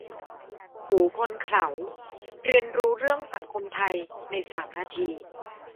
หูคนเขลา : เรียนรู้เรื่องสังคมไทยในสามนาที